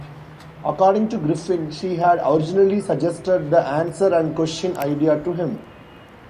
According to Griffin, she had originally suggested the "answer-and-question" idea to him.